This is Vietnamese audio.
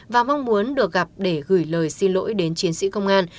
và mong muốn được gặp để gửi lời xin lỗi đến chiến sĩ công an